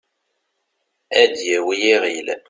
ad yawi iɣil